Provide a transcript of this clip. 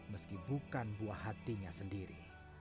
meski bukan buah hatinya sendiri